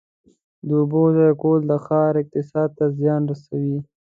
د اوبو ضایع کول د ښار اقتصاد ته زیان رسوي.